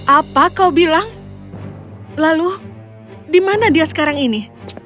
apa kau bilang lalu di mana dia sekarang ini